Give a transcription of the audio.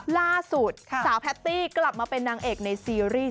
ล่าสุดสาวแพตตี้กลับมาเป็นนางเอกในซีรีส์